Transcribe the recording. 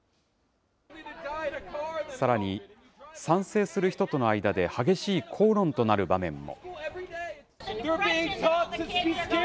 さらに、賛成する人との間で激しい口論となる場面も。